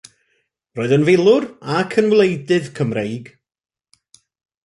Roedd yn filwr ac yn wleidydd Cymreig.